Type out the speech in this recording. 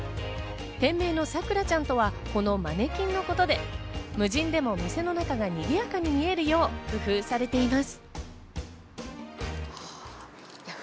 店名のさくらちゃんとはこのマネキンのことで、無人でも店の中がにぎやかに見えるよう工夫されています。